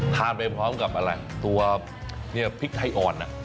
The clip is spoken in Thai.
ไปพร้อมกับอะไรตัวเนี่ยพริกไทยอ่อน